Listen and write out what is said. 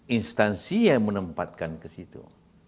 instansi yang menempatkan ke situ